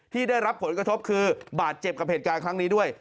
ที่ได้รับผลกระทบคือบาดเจ็บกับเหตุการณ์ครั้งนี้ด้วย